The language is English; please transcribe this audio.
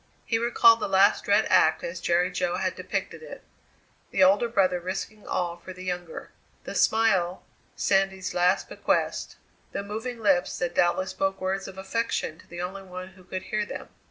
He recalled the last dread act as Jerry Jo had depicted it. The older brother risking all for the younger. The smile Sandy's last bequest the moving lips that doubtless spoke words of affection to the only one who could hear them.